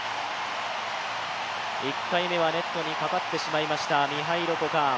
１回目はネットにかかってしまいました、ミハイロ・コカーン。